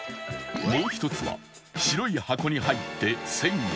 もう一つは白い箱に入って１０００円